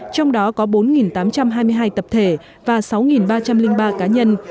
trong đó có bốn tám trăm hai mươi hai tập thể và sáu ba trăm linh ba cá nhân